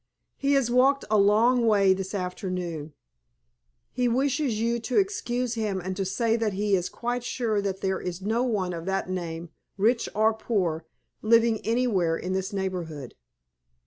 He has walked a long way this afternoon. He wishes you to excuse him, and to say that he is quite sure that there is no one of that name, rich or poor, living anywhere in this neighborhood."